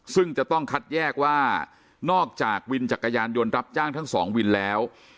ซึ่งจะต้องคัดแยกว่านอกจากวินจักรยานยนต์รับจ้างทั้งสองวินแล้ว